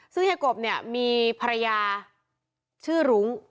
ซึ่งเฮียกบมีภรรยาชื่อหลุง